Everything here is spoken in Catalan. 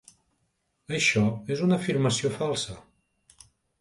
Això és una afirmació falsa.